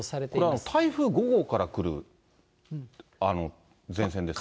これは台風５号からくる前線ですか。